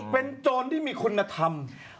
เป็นโจรที่มีคุณธรรม